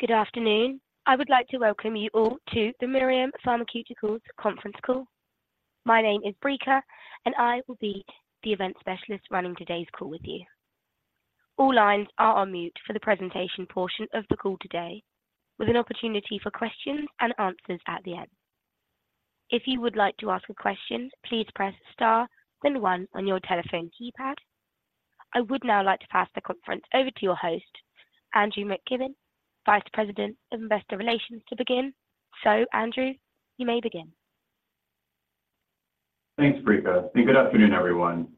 Good afternoon. I would like to welcome you all to the Mirum Pharmaceuticals conference call. My name is Breaker, and I will be the event specialist running today's call with you. All lines are on mute for the presentation portion of the call today, with an opportunity for questions and answers at the end. If you would like to ask a question, please press star, then one on your telephone keypad. I would now like to pass the conference over to your host, Andrew McKibbin, Vice President of Investor Relations, to begin. So, Andrew, you may begin. Thanks, Breaker, and good afternoon, everyone.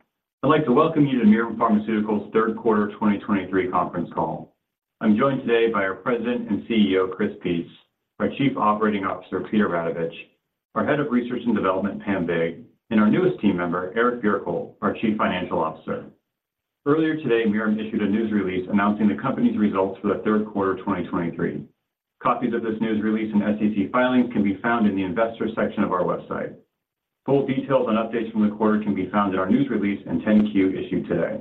I'd like to welcome you to Mirum Pharmaceuticals' third quarter 2023 conference call. I'm joined today by our President and CEO, Chris Peetz, our Chief Operating Officer, Peter Radovich, our Head of Research and Development, Pam Vig, and our newest team member, Eric Bjerkholt, our Chief Financial Officer. Earlier today, Mirum issued a news release announcing the company's results for the third quarter of 2023. Copies of this news release and SEC filings can be found in the investors section of our website. Full details and updates from the quarter can be found in our news release and 10-Q issued today.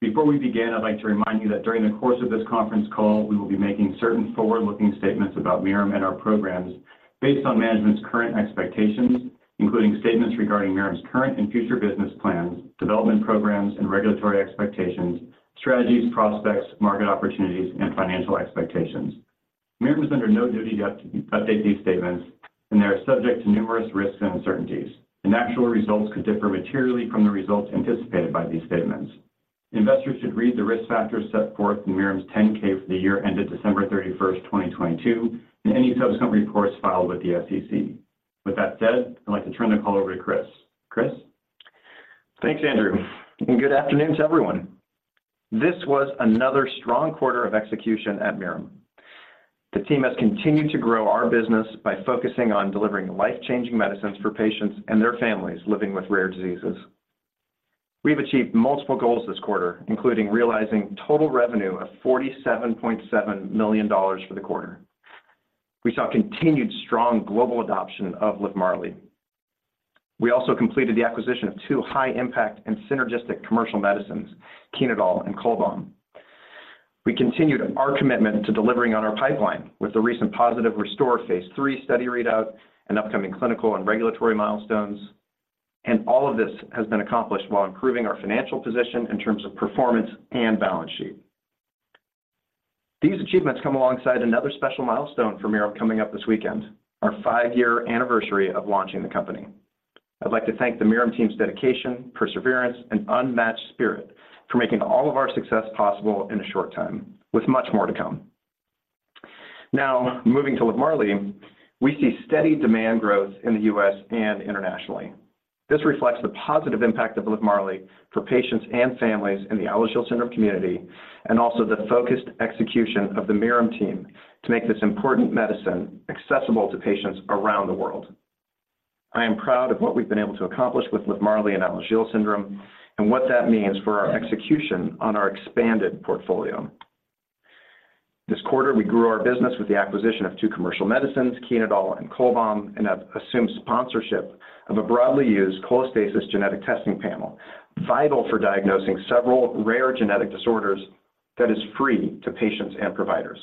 Before we begin, I'd like to remind you that during the course of this conference call, we will be making certain forward-looking statements about Mirum and our programs based on management's current expectations, including statements regarding Mirum's current and future business plans, development programs, and regulatory expectations, strategies, prospects, market opportunities, and financial expectations. Mirum is under no duty to update these statements, and they are subject to numerous risks and uncertainties, and actual results could differ materially from the results anticipated by these statements. Investors should read the risk factors set forth in Mirum's 10-K for the year ended December 31st, 2022, and any subsequent reports filed with the SEC. With that said, I'd like to turn the call over to Chris. Chris? Thanks, Andrew, and good afternoon to everyone. This was another strong quarter of execution at Mirum. The team has continued to grow our business by focusing on delivering life-changing medicines for patients and their families living with rare diseases. We've achieved multiple goals this quarter, including realizing total revenue of $47.7 million for the quarter. We saw continued strong global adoption of LIVMARLI. We also completed the acquisition of two high-impact and synergistic commercial medicines, Chenodal and CHOLBAM. We continued our commitment to delivering on our pipeline with the recent positive RESTORE phase III study readout and upcoming clinical and regulatory milestones. And all of this has been accomplished while improving our financial position in terms of performance and balance sheet. These achievements come alongside another special milestone for Mirum coming up this weekend, our five-year anniversary of launching the company. I'd like to thank the Mirum team's dedication, perseverance, and unmatched spirit for making all of our success possible in a short time, with much more to come. Now, moving to LIVMARLI, we see steady demand growth in the U.S. and internationally. This reflects the positive impact of LIVMARLI for patients and families in the Alagille syndrome community, and also the focused execution of the Mirum team to make this important medicine accessible to patients around the world. I am proud of what we've been able to accomplish with LIVMARLI and Alagille syndrome, and what that means for our execution on our expanded portfolio. This quarter, we grew our business with the acquisition of two commercial medicines, Chenodal and Cholbam, and have assumed sponsorship of a broadly used cholestasis genetic testing panel, vital for diagnosing several rare genetic disorders that is free to patients and providers.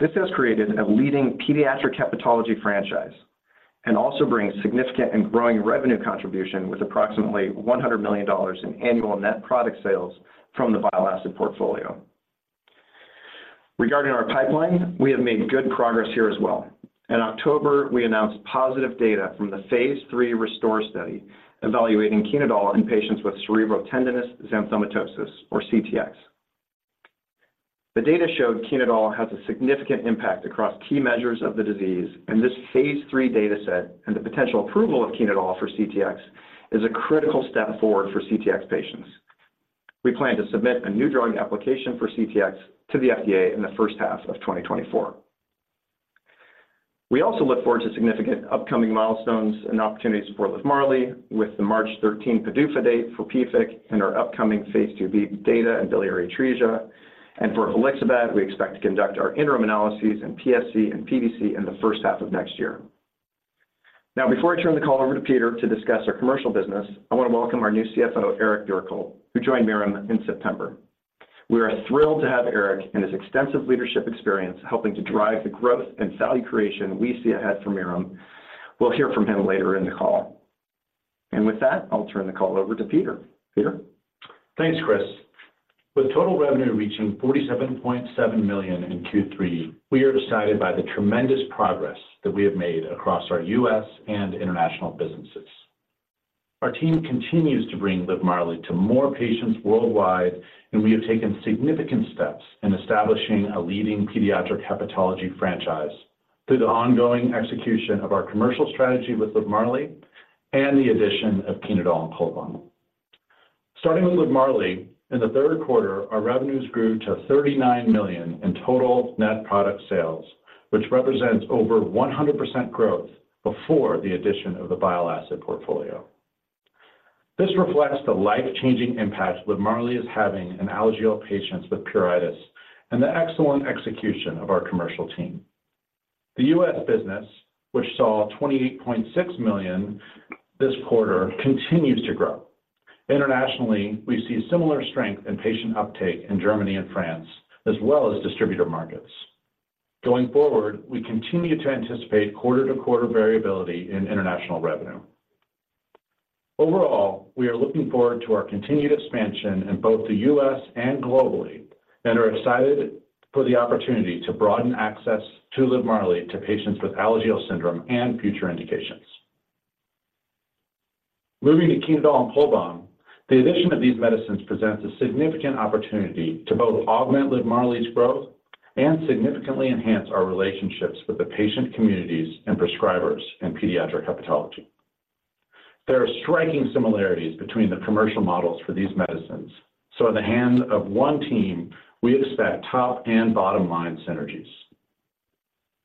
This has created a leading pediatric hepatology franchise and also brings significant and growing revenue contribution, with approximately $100 million in annual net product sales from the bile acid portfolio. Regarding our pipeline, we have made good progress here as well. In October, we announced positive data from the phase III RESTORE study evaluating Chenodal in patients with cerebrotendinous xanthomatosis, or CTX. The data showed Chenodal has a significant impact across key measures of the disease, and this phase III dataset and the potential approval of Chenodal for CTX is a critical step forward for CTX patients. We plan to submit a new drug application for CTX to the FDA in the first half of 2024. We also look forward to significant upcoming milestones and opportunities for LIVMARLI, with the March 13 PDUFA date for PFIC and our upcoming phase II-B data in biliary atresia. For volixibat, we expect to conduct our interim analyses in PSC and PBC in the first half of next year. Now, before I turn the call over to Peter to discuss our commercial business, I want to welcome our new CFO, Eric Bjerkholt, who joined Mirum in September. We are thrilled to have Eric and his extensive leadership experience helping to drive the growth and value creation we see ahead for Mirum. We'll hear from him later in the call. And with that, I'll turn the call over to Peter. Peter? Thanks, Chris. With total revenue reaching $47.7 million in Q3, we are excited by the tremendous progress that we have made across our U.S. and international businesses. Our team continues to bring LIVMARLI to more patients worldwide, and we have taken significant steps in establishing a leading pediatric hepatology franchise through the ongoing execution of our commercial strategy with LIVMARLI and the addition of Chenodal and Cholbam. Starting with LIVMARLI, in the third quarter, our revenues grew to $39 million in total net product sales, which represents over 100% growth before the addition of the bile acid portfolio. This reflects the life-changing impact LIVMARLI is having in Alagille patients with pruritus and the excellent execution of our commercial team. The U.S. business, which saw $28.6 million this quarter, continues to grow. Internationally, we see similar strength in patient uptake in Germany and France, as well as distributor markets. Going forward, we continue to anticipate quarter-to-quarter variability in international revenue. Overall, we are looking forward to our continued expansion in both the U.S. and globally, and are excited for the opportunity to broaden access to LIVMARLI, to patients with Alagille syndrome and future indications. Moving to Chenodal and CHOLBAM, the addition of these medicines presents a significant opportunity to both augment LIVMARLI's growth and significantly enhance our relationships with the patient communities and prescribers in pediatric hepatology. There are striking similarities between the commercial models for these medicines, so in the hands of one team, we expect top and bottom line synergies.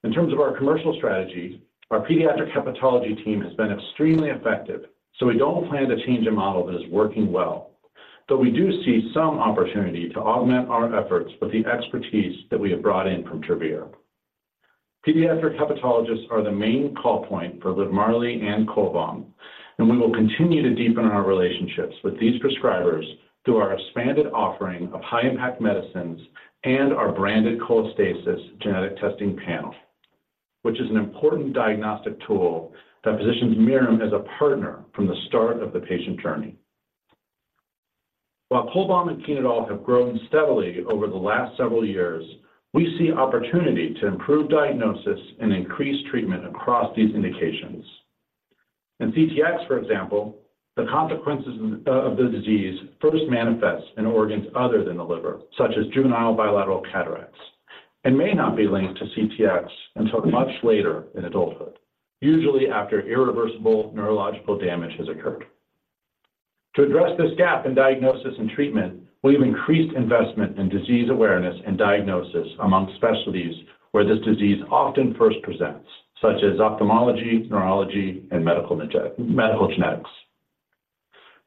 In terms of our commercial strategy, our pediatric hepatology team has been extremely effective, so we don't plan to change a model that is working well. We do see some opportunity to augment our efforts with the expertise that we have brought in from Travere. Pediatric hepatologists are the main call point for LIVMARLI and CHOLBAM, and we will continue to deepen our relationships with these prescribers through our expanded offering of high-impact medicines and our branded cholestasis genetic testing panel, which is an important diagnostic tool that positions Mirum as a partner from the start of the patient journey. While CHOLBAM and Chenodal have grown steadily over the last several years, we see opportunity to improve diagnosis and increase treatment across these indications. In CTX, for example, the consequences of the disease first manifests in organs other than the liver, such as juvenile bilateral cataracts, and may not be linked to CTX until much later in adulthood, usually after irreversible neurological damage has occurred. To address this gap in diagnosis and treatment, we've increased investment in disease awareness and diagnosis among specialties where this disease often first presents, such as ophthalmology, neurology, and medical genetics.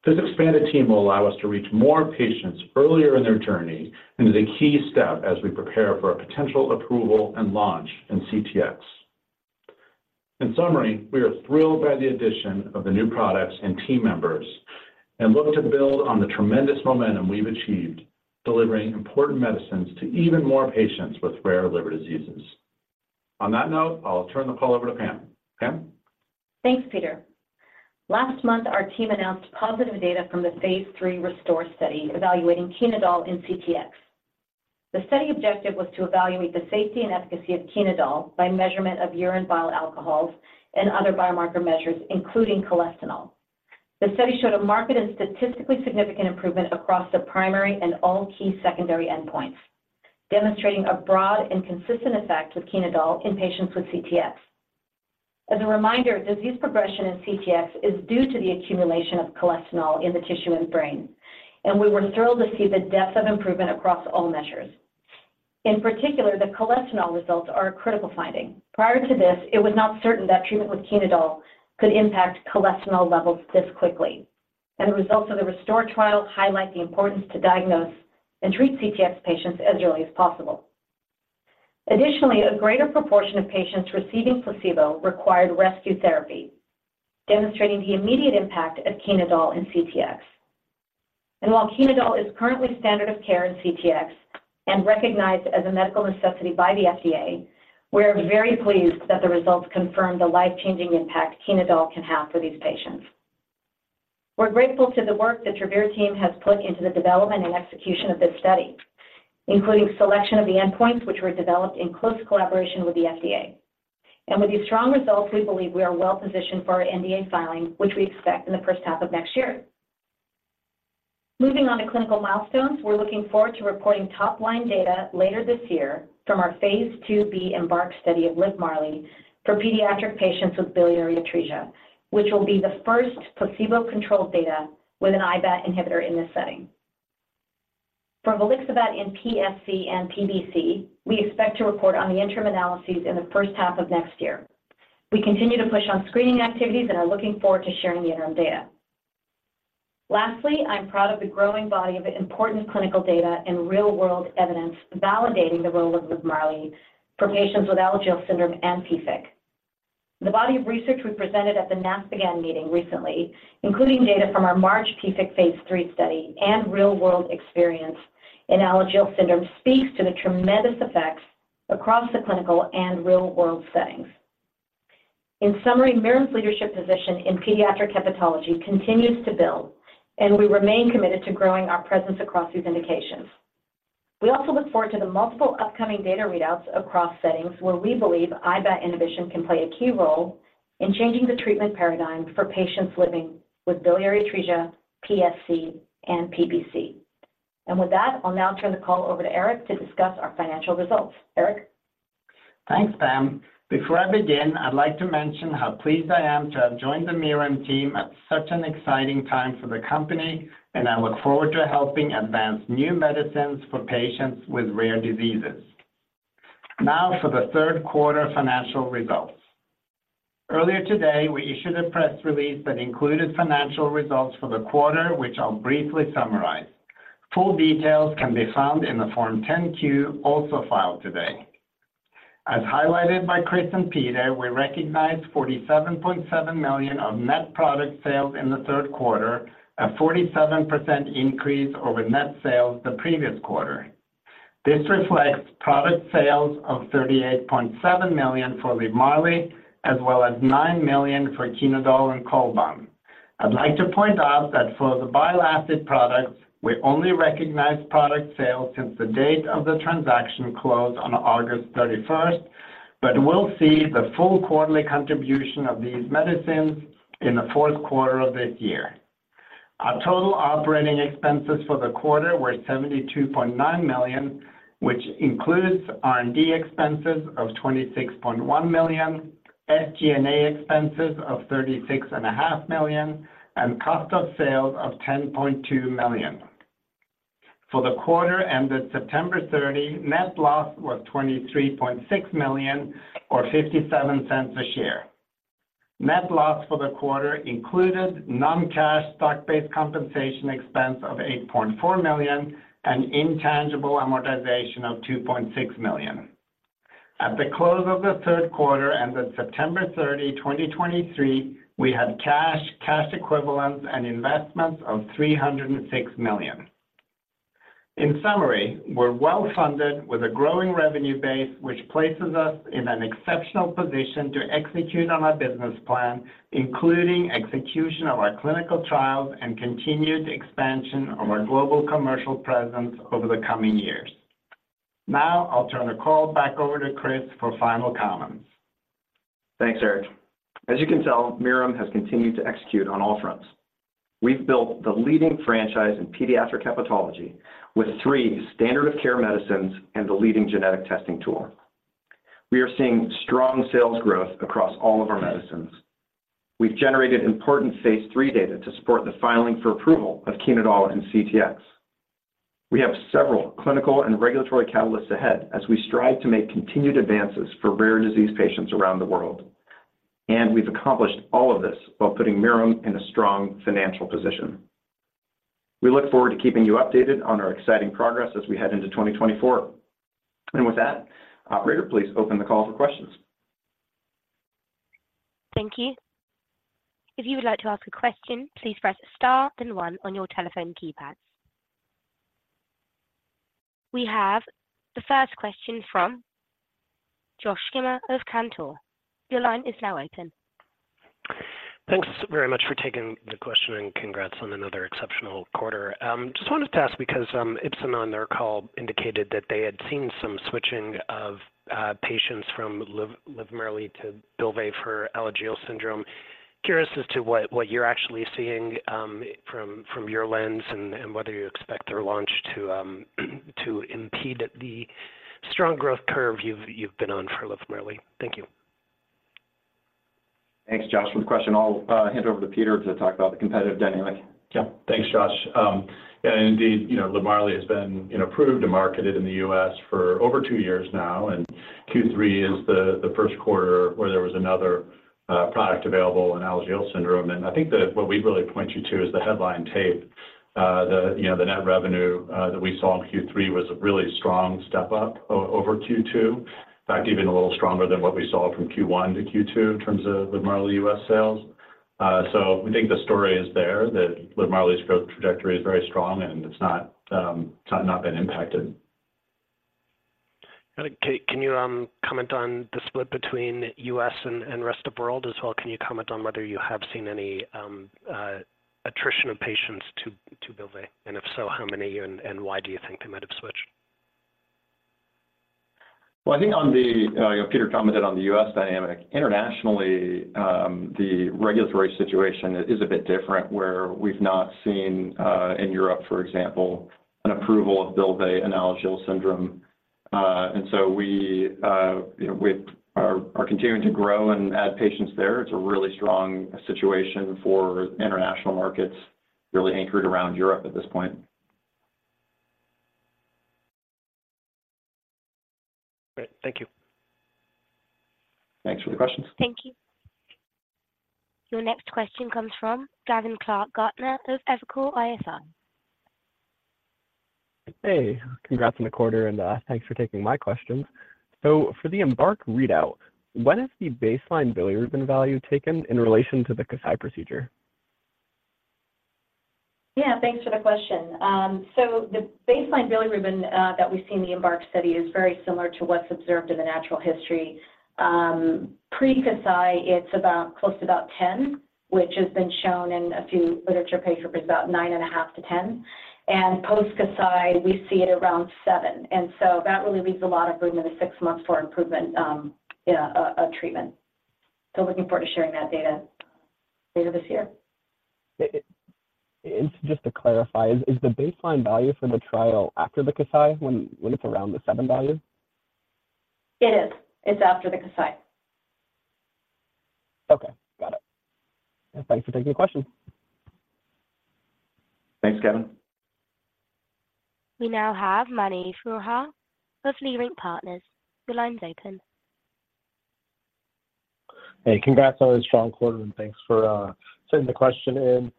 This expanded team will allow us to reach more patients earlier in their journey, and is a key step as we prepare for a potential approval and launch in CTX. In summary, we are thrilled by the addition of the new products and team members, and look to build on the tremendous momentum we've achieved, delivering important medicines to even more patients with rare liver diseases. On that note, I'll turn the call over to Pam. Pam? Thanks, Peter. Last month, our team announced positive data from the phase III RESTORE study evaluating Chenodal in CTX. The study objective was to evaluate the safety and efficacy of Chenodal by measurement of urine bile alcohols and other biomarker measures, including cholesterol. The study showed a marked and statistically significant improvement across the primary and all key secondary endpoints, demonstrating a broad and consistent effect with Chenodal in patients with CTX. As a reminder, disease progression in CTX is due to the accumulation of cholesterol in the tissue and brain, and we were thrilled to see the depth of improvement across all measures. In particular, the cholesterol results are a critical finding. Prior to this, it was not certain that treatment with Chenodal could impact cholesterol levels this quickly, and the results of the RESTORE trial highlight the importance to diagnose and treat CTX patients as early as possible. Additionally, a greater proportion of patients receiving placebo required rescue therapy, demonstrating the immediate impact of Chenodal in CTX. And while Chenodal is currently standard of care in CTX and recognized as a medical necessity by the FDA, we're very pleased that the results confirm the life-changing impact Chenodal can have for these patients. We're grateful to the work the Travere team has put into the development and execution of this study, including selection of the endpoints, which were developed in close collaboration with the FDA. And with these strong results, we believe we are well positioned for our NDA filing, which we expect in the first half of next year. Moving on to clinical milestones, we're looking forward to reporting top-line data later this year from our phase II-B EMBARK study of LIVMARLI for pediatric patients with biliary atresia, which will be the first placebo-controlled data with an IBAT inhibitor in this setting. For volixibat in PSC and PBC, we expect to report on the interim analyses in the first half of next year. We continue to push on screening activities and are looking forward to sharing the interim data. Lastly, I'm proud of the growing body of important clinical data and real-world evidence validating the role of LIVMARLI for patients with Alagille syndrome and PFIC. The body of research we presented at the NASPGHAN meeting recently, including data from our MARCH PFIC phase III study and real-world experience in Alagille syndrome, speaks to the tremendous effects across the clinical and real-world settings. In summary, Mirum's leadership position in pediatric hepatology continues to build, and we remain committed to growing our presence across these indications. We also look forward to the multiple upcoming data readouts across settings where we believe IBAT inhibition can play a key role in changing the treatment paradigm for patients living with biliary atresia, PSC, and PBC. And with that, I'll now turn the call over to Eric to discuss our financial results. Eric? Thanks, Pam. Before I begin, I'd like to mention how pleased I am to have joined the Mirum team at such an exciting time for the company, and I look forward to helping advance new medicines for patients with rare diseases. Now, for the third quarter financial results. Earlier today, we issued a press release that included financial results for the quarter, which I'll briefly summarize. Full details can be found in the Form 10-Q, also filed today. As highlighted by Chris and Peter, we recognized $47.7 million of net product sales in the third quarter, a 47% increase over net sales the previous quarter. This reflects product sales of $38.7 million for LIVMARLI, as well as $9 million for Chenodal and Cholbam. I'd like to point out that for the bile acid products, we only recognized product sales since the date of the transaction close on August 31, but we'll see the full quarterly contribution of these medicines in the fourth quarter of this year. Our total operating expenses for the quarter were $72.9 million, which includes R&D expenses of $26.1 million, SG&A expenses of $36.5 million, and cost of sales of $10.2 million. For the quarter ended September 30, net loss was $23.6 million or $0.57 a share. Net loss for the quarter included non-cash stock-based compensation expense of $8.4 million and intangible amortization of $2.6 million. At the close of the third quarter, ended September 30, 2023, we had cash, cash equivalents, and investments of $306 million. In summary, we're well-funded with a growing revenue base, which places us in an exceptional position to execute on our business plan, including execution of our clinical trials and continued expansion of our global commercial presence over the coming years. Now, I'll turn the call back over to Chris for final comments. Thanks, Eric. As you can tell, Mirum has continued to execute on all fronts. We've built the leading franchise in pediatric hepatology with three standard of care medicines and the leading genetic testing tool. We are seeing strong sales growth across all of our medicines. We've generated important phase III data to support the filing for approval of Chenodal and CTX. We have several clinical and regulatory catalysts ahead as we strive to make continued advances for rare disease patients around the world, and we've accomplished all of this while putting Mirum in a strong financial position. We look forward to keeping you updated on our exciting progress as we head into 2024. And with that, operator, please open the call for questions. Thank you. If you would like to ask a question, please press Star then One on your telephone keypad. We have the first question from Josh Schimmer of Cantor. Your line is now open. Thanks very much for taking the question, and congrats on another exceptional quarter. Just wanted to ask because, Ipsen on their call indicated that they had seen some switching of patients from LIVMARLI to Bylvay for Alagille syndrome. Curious as to what you're actually seeing from your lens and whether you expect their launch to impede the strong growth curve you've been on for LIVMARLI. Thank you. Thanks, Josh, for the question. I'll hand over to Peter to talk about the competitive dynamic. Yeah. Thanks, Josh. And indeed, you know, LIVMARLI has been, you know, approved and marketed in the U.S. for over two years now, and Q3 is the first quarter where there was another product available in Alagille syndrome. And I think that what we'd really point you to is the headline tape. The, you know, the net revenue that we saw in Q3 was a really strong step up over Q2. In fact, even a little stronger than what we saw from Q1 to Q2 in terms of LIVMARLI U.S. sales. So we think the story is there, that LIVMARLI's growth trajectory is very strong, and it's not not been impacted. Can you comment on the split between U.S. and rest of world as well? Can you comment on whether you have seen any attrition of patients to Bylvay? And if so, how many, and why do you think they might have switched? Well, I think on the, you know, Peter commented on the U.S. dynamic. Internationally, the regulatory situation is a bit different, where we've not seen, in Europe, for example, an approval of Bylvay and Alagille syndrome. And so we, you know, we are continuing to grow and add patients there. It's a really strong situation for international markets, really anchored around Europe at this point. Great. Thank you. Thanks for the questions. Thank you. Your next question comes from Gavin Clark-Gartner of Evercore ISI. Hey, congrats on the quarter, and thanks for taking my questions. So for the EMBARK readout, when is the baseline bilirubin value taken in relation to the Kasai procedure? Yeah, thanks for the question. So the baseline bilirubin that we see in the EMBARK study is very similar to what's observed in the natural history. Pre-Kasai, it's about close to about 10mg/dl, which has been shown in a few literature papers, about 9.5mg/dl-10mg/dl. And post-Kasai, we see it around 7mg/dl, and so that really leaves a lot of room in the six months for improvement in a treatment. So looking forward to sharing that data later this year. And just to clarify, is the baseline value for the trial after the Kasai, when it's around the 7mg/dl value? It is. It's after the Kasai. Okay, got it. And thanks for taking the question. Thanks, Gavin. We now have Mani Foroohar of Leerink Partners. Your line's open. Hey, congrats on a strong quarter, and thanks for sending the question in.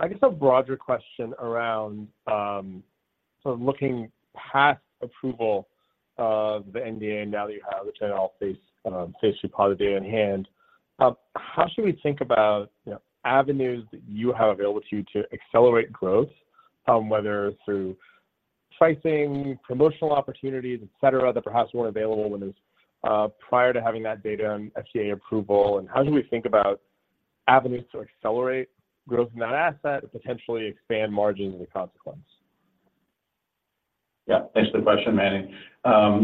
I guess a broader question around, sort of looking past approval of the NDA now that you have the general phase, Phase III data in hand. How should we think about, you know, avenues that you have available to you to accelerate growth, whether through pricing, promotional opportunities, et cetera, that perhaps weren't available when this, prior to having that data and FDA approval? And how do we think about avenues to accelerate growth in that asset and potentially expand margins as a consequence? Yeah. Thanks for the question, Mani.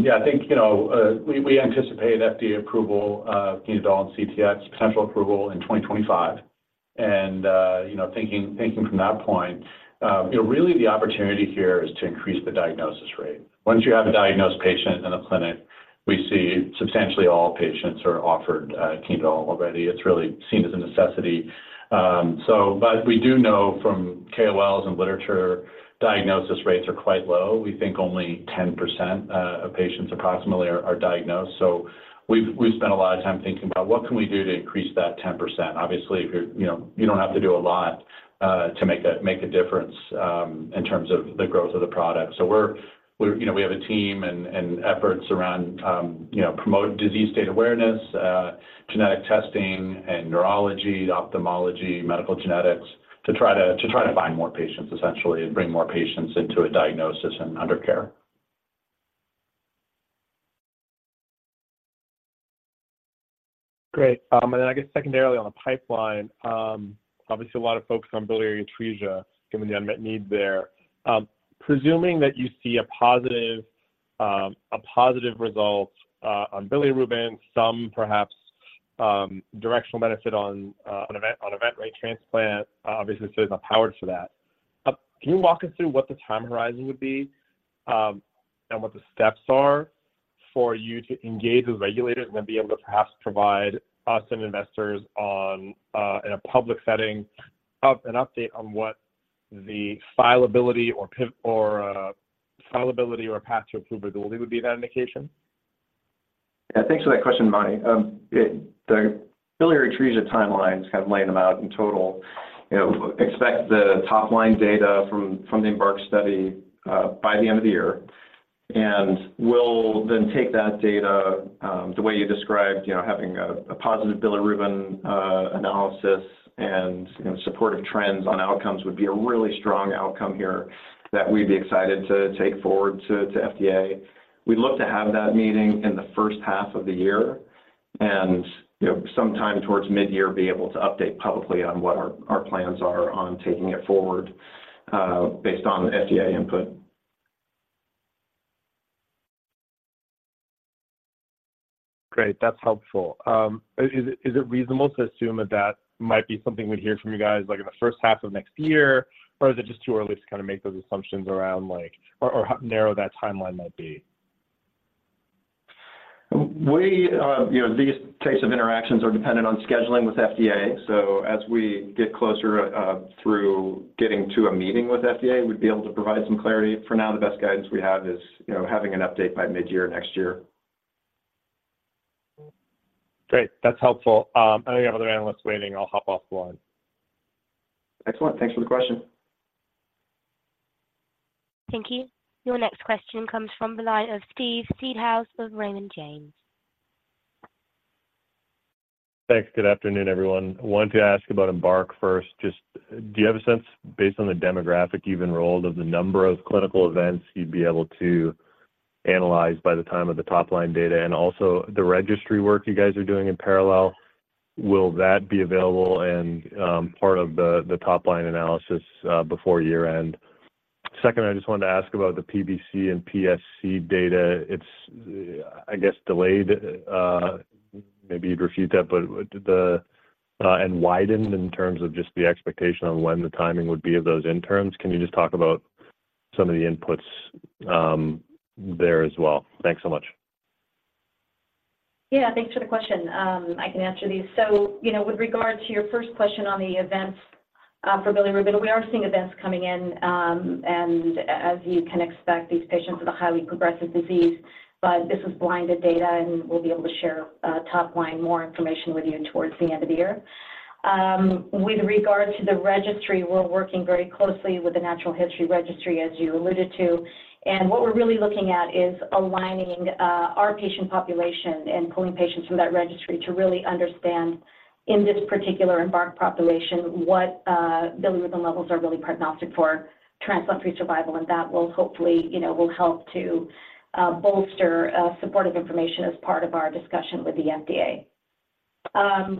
Yeah, I think, you know, we anticipate FDA approval of Chenodal and CTX, potential approval in 2025. And, you know, thinking from that point, you know, really the opportunity here is to increase the diagnosis rate. Once you have a diagnosed patient in a clinic, we see substantially all patients are offered Chenodal already. It's really seen as a necessity. So but we do know from KOLs and literature, diagnosis rates are quite low. We think only 10%, of patients approximately are diagnosed. So we've spent a lot of time thinking about what can we do to increase that 10%. Obviously, if you're... You know, you don't have to do a lot to make a difference in terms of the growth of the product. So we're, you know, we have a team and efforts around, you know, promote disease state awareness, genetic testing, and neurology, ophthalmology, medical genetics, to try to find more patients, essentially, and bring more patients into a diagnosis and under care. Great. And I guess secondarily on the pipeline, obviously, a lot of focus on biliary atresia, given the unmet need there. Presuming that you see a positive, a positive result on bilirubin, some perhaps directional benefit on event, on event rate transplant, obviously, the study is not powered for that. Can you walk us through what the time horizon would be, and what the steps are for you to engage with regulators and then be able to perhaps provide us and investors on, in a public setting, an update on what the filability or path to approvability would be of that indication? Yeah, thanks for that question, Mani. The biliary atresia timelines kind of laid them out in total. You know, expect the top-line data from the EMBARK study by the end of the year, and we'll then take that data the way you described, you know, having a positive bilirubin analysis and, you know, supportive trends on outcomes would be a really strong outcome here that we'd be excited to take forward to FDA. We'd look to have that meeting in the first half of the year and, you know, sometime towards midyear, be able to update publicly on what our plans are on taking it forward based on the FDA input. Great. That's helpful. Is it reasonable to assume that that might be something we'd hear from you guys, like, in the first half of next year? Or is it just too early to kind of make those assumptions around, like, or how narrow that timeline might be? We, you know, these types of interactions are dependent on scheduling with FDA. So as we get closer, through getting to a meeting with FDA, we'd be able to provide some clarity. For now, the best guidance we have is, you know, having an update by midyear next year. Great. That's helpful. I know you have other analysts waiting. I'll hop off the line. Excellent. Thanks for the question. Thank you. Your next question comes from the line of Steve Seedhouse of Raymond James. Thanks. Good afternoon, everyone. I wanted to ask about EMBARK first. Just, do you have a sense, based on the demographic you've enrolled, of the number of clinical events you'd be able to analyze by the time of the top-line data? And also the registry work you guys are doing in parallel, will that be available and part of the top-line analysis before year-end? Second, I just wanted to ask about the PBC and PSC data. It's, I guess, delayed, maybe you'd refute that, but the And widened in terms of just the expectation on when the timing would be of those in terms. Can you just talk about some of the inputs there as well? Thanks so much. Yeah, thanks for the question. I can answer these. So, you know, with regard to your first question on the events, for bilirubin, we are seeing events coming in, and as you can expect, these patients with a highly progressive disease, but this is blinded data, and we'll be able to share, top line, more information with you towards the end of the year. With regards to the registry, we're working very closely with the Natural History Registry, as you alluded to. What we're really looking at is aligning, our patient population and pulling patients from that registry to really understand, in this particular EMBARK population, what, bilirubin levels are really prognostic for transplant-free survival, and that will hopefully, you know, will help to, bolster, supportive information as part of our discussion with the FDA.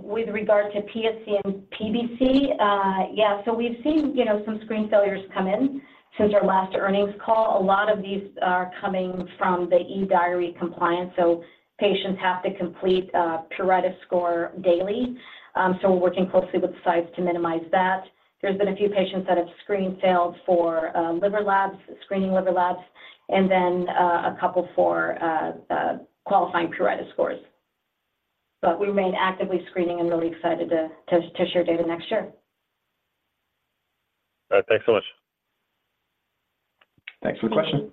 With regard to PSC and PBC, yeah, so we've seen, you know, some screen failures come in since our last earnings call. A lot of these are coming from the eDiary compliance, so patients have to complete a pruritus score daily. So we're working closely with sites to minimize that. There's been a few patients that have screen failed for liver labs, screening liver labs, and then a couple for qualifying pruritus scores. But we remain actively screening and really excited to share data next year. All right, thanks so much. Thanks for the question.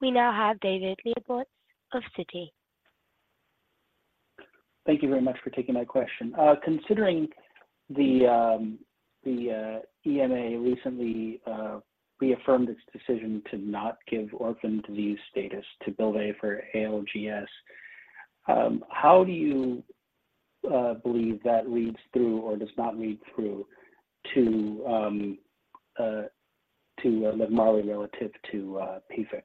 We now have David Lebowitz of Citi. Thank you very much for taking my question. Considering the EMA recently reaffirmed its decision to not give orphan disease status to Bylvay for ALGS, how do you believe that reads through or does not read through to LIVMARLI relative to PFIC?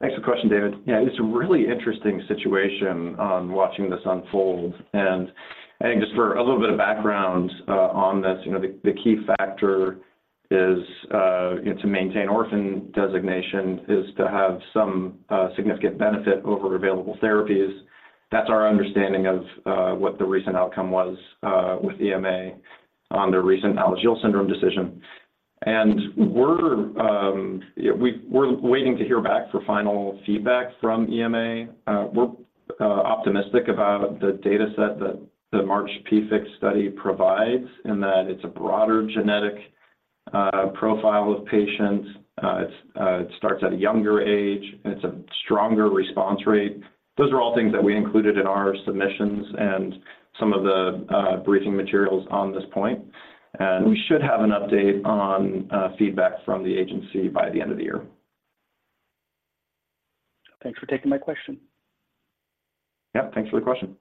Thanks for the question, David. Yeah, it's a really interesting situation on watching this unfold, and I think just for a little bit of background, on this, you know, the key factor is, you know, to maintain orphan designation is to have some significant benefit over available therapies. That's our understanding of what the recent outcome was with EMA on their recent Alagille syndrome decision. And we're, yeah, we're waiting to hear back for final feedback from EMA. We're optimistic about the dataset that the MARCH PFIC study provides, in that it's a broader genetic profile of patients. It starts at a younger age, and it's a stronger response rate. Those are all things that we included in our submissions and some of the briefing materials on this point, and we should have an update on feedback from the agency by the end of the year. Thanks for taking my question. Yeah, thanks for the question.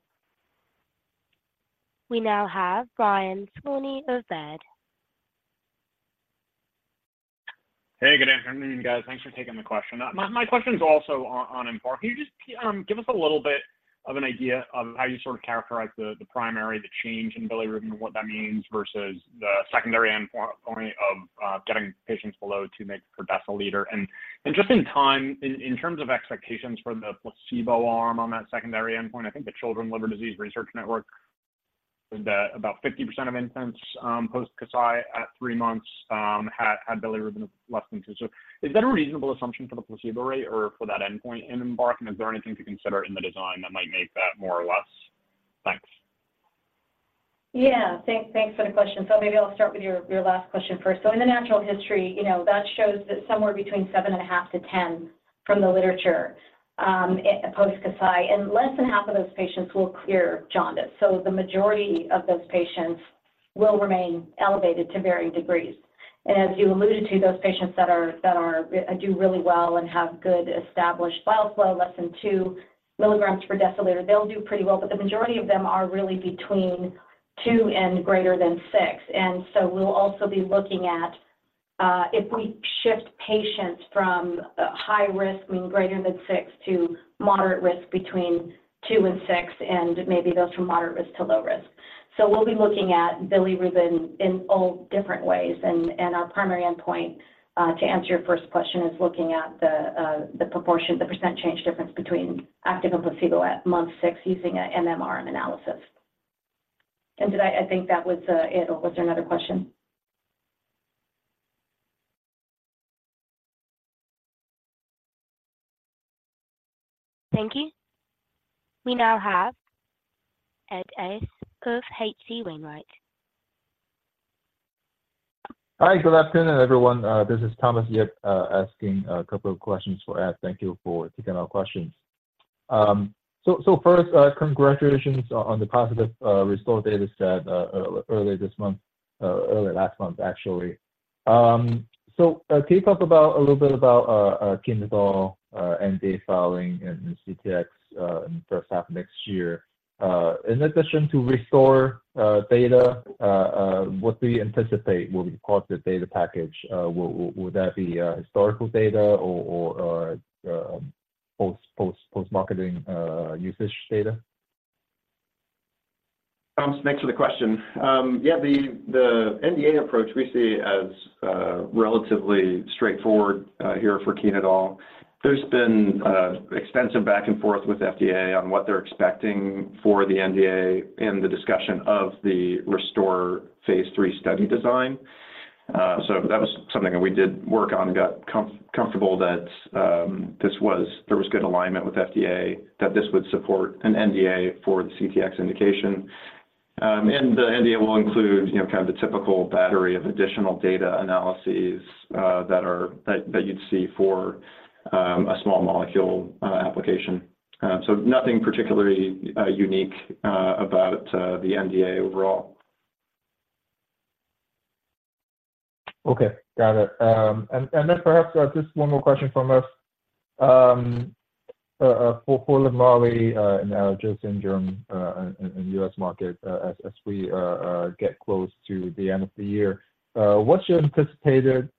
We now have Brian Skorney of Baird. Hey, good afternoon, guys. Thanks for taking the question. My question is also on Embark. Can you just give us a little bit of an idea of how you sort of characterize the primary, the change in bilirubin, what that means, versus the secondary endpoint of getting patients below 2 mg per deciliter? And just in time, in terms of expectations for the placebo arm on that secondary endpoint, I think the Children's Liver Disease Research Network, that about 50% of infants post Kasai at three months had bilirubin of less than 2mg/dl. So is that a reasonable assumption for the placebo rate or for that endpoint in Embark? And is there anything to consider in the design that might make that more or less? Thanks. Yeah, thanks, thanks for the question. So maybe I'll start with your, your last question first. So in the natural history, you know, that shows that somewhere between 7.5mg/dl-10mg/dl from the literature, post Kasai, and less than half of those patients will clear jaundice. So the majority of those patients will remain elevated to varying degrees. And as you alluded to, those patients that do really well and have good established bile flow, less than 2mg/dL, they'll do pretty well. But the majority of them are really between 2mg/dl and greater than 6mg/dl. And so we'll also be looking at if we shift patients from high risk, meaning greater than 6mg/dl, to moderate risk between 2mg/dl and 6mg/dl, and maybe those from moderate risk to low risk. So we'll be looking at bilirubin in all different ways, and our primary endpoint, to answer your first question, is looking at the proportion, the percent change difference between active and placebo at month six using a MMRM analysis. And did I think that was it, or was there another question? Thank you. We now have Ed Arce. of H.C. Wainwright. Hi, good afternoon, everyone. This is Thomas Yip, asking a couple of questions for Ed. Thank you for taking our questions. First, congratulations on the positive restore data set, earlier this month, early last month, actually. Can you talk about a little bit about Chenodal NDA filing and CTX in the first half of next year? In addition to restore data, what do you anticipate will be positive data package? Would that be historical data or post-marketing usage data? Thanks for the question. Yeah, the NDA approach we see as relatively straightforward here for Chenodal. There's been extensive back and forth with FDA on what they're expecting for the NDA in the discussion of the RESTORE phase III study design. So that was something that we did work on and got comfortable that this was good alignment with FDA, that this would support an NDA for the CTX indication. And the NDA will include, you know, kind of the typical battery of additional data analyses that you'd see for a small molecule application. So nothing particularly unique about the NDA overall. Okay, got it. And then perhaps just one more question from us. For LIVMARLI and Alagille syndrome in U.S. market, as we get close to the end of the year, what's your anticipated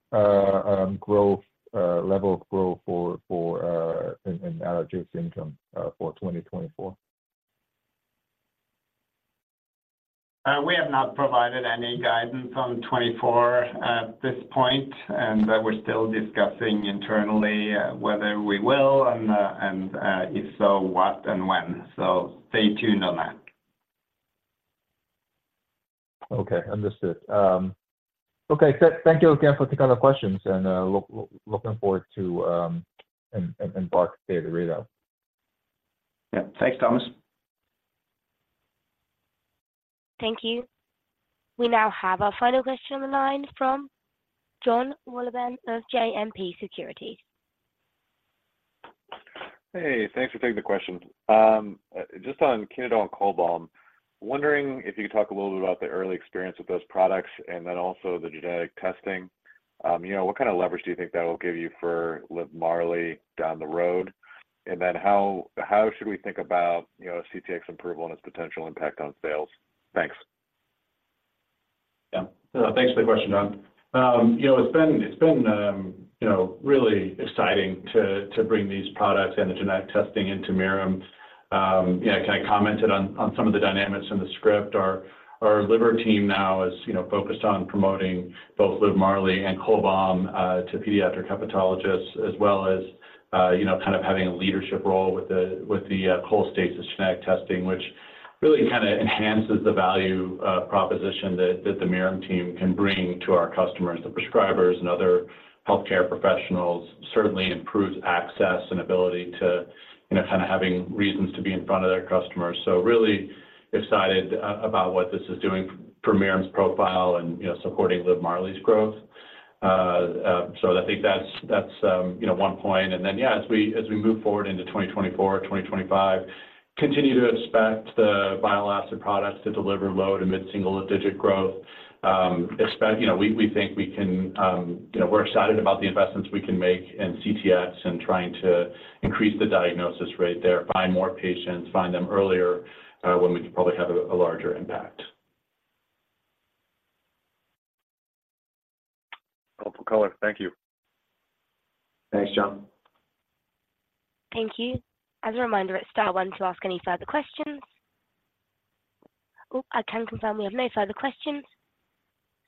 growth level of growth for in Alagille syndrome for 2024? We have not provided any guidance on 2024 at this point, and we're still discussing internally, and if so, what and when. So stay tuned on that. Okay, understood. Okay, thank you again for taking all the questions, and, look, looking forward to, and, and Mark's data readout. Yeah. Thanks, Thomas. Thank you. We now have our final question on the line from Jon Wolleben of JMP Securities. Hey, thanks for taking the question. Just on Chenodal and Cholbam, wondering if you could talk a little bit about the early experience with those products and then also the genetic testing. You know, what kind of leverage do you think that will give you for LIVMARLI down the road? And then how, how should we think about, you know, a CTX approval and its potential impact on sales? Thanks. Yeah. Thanks for the question, Jon. You know, it's been, it's been, you know, really exciting to bring these products and the genetic testing into Mirum. Yeah, kind of commented on some of the dynamics in the script. Our liver team now is, you know, focused on promoting both LIVMARLI and CHOLBAM to pediatric hepatologists, as well as, you know, kind of having a leadership role with the cholestasis genetic testing. Which really kind of enhances the value proposition that the Mirum team can bring to our customers, the prescribers and other healthcare professionals. Certainly improves access and ability to, you know, kind of having reasons to be in front of their customers. So really excited about what this is doing for Mirum's profile and, you know, supporting LIVMARLI's growth. So I think that's, that's, you know, one point. And then, yeah, as we, as we move forward into 2024, 2025, continue to expect the bile acid products to deliver low to mid-single-digit growth. You know, we, we think we can, you know, we're excited about the investments we can make in CTX and trying to increase the diagnosis rate there, find more patients, find them earlier, when we could probably have a, a larger impact. Helpful color. Thank you. Thanks, Jon. Thank you. As a reminder, it's star one to ask any further questions. Oh, I can confirm we have no further questions,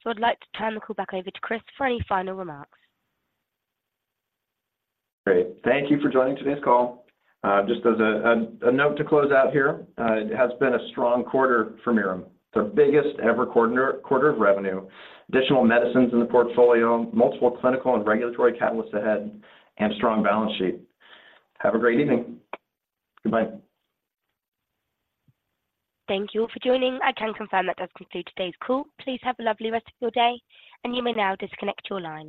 so I'd like to turn the call back over to Chris for any final remarks. Great. Thank you for joining today's call. Just as a note to close out here, it has been a strong quarter for Mirum. The biggest-ever quarter of revenue, additional medicines in the portfolio, multiple clinical and regulatory catalysts ahead, and strong balance sheet. Have a great evening. Goodbye. Thank you all for joining. I can confirm that does conclude today's call. Please have a lovely rest of your day, and you may now disconnect your line.